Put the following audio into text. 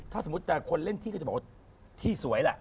ถ้าสมมุติแต่คนเล่นที่ก็จะบอกว่าที่สวยล่ะ